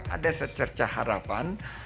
ada secerca harapan